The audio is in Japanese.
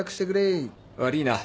悪いな。